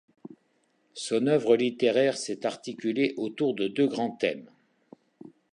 Son œuvre littéraire s'est articulée autour de deux grands thèmes.